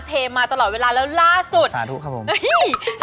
เทมาตลอดเวลาแล้วล่าสุดสาธุครับผมอุ้ยล่าสุดนี่นะ